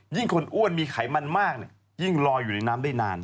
คนอ้วนมีไขมันมากยิ่งลอยอยู่ในน้ำได้นาน